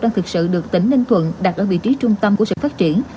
đang thực sự được tỉnh ninh thuận đặt ở vị trí trung tâm của sự phát triển